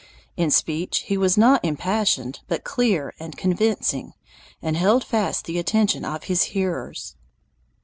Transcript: In speech he was not impassioned, but clear and convincing, and held fast the attention of his hearers."